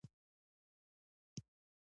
د بمونو ښخ شوي پاتې شوني خطر لري.